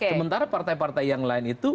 sementara partai partai yang lain itu